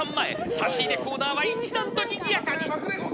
差し入れコーナーは一段とにぎやかに。